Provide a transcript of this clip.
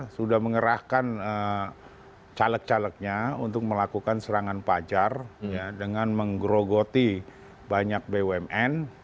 sudah mengerahkan caleg calegnya untuk melakukan serangan pajar dengan menggerogoti banyak bumn